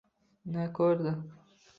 Na ko’rdi